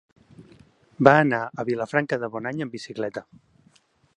Va anar a Vilafranca de Bonany amb bicicleta.